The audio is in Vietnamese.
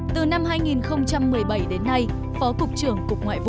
từ năm hai nghìn một mươi bảy đến nay phó cục trưởng